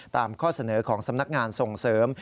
ข้อเสนอของสำนักงานส่งเสริม